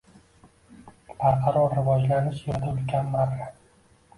Barqaror rivojlanish yoʻlida ulkan marra